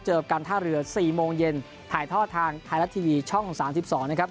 เจอกันท่าเหลือ๔โมงเย็นถ่ายท่อทางไทรลัททีวีช่อง๓๒นะครับ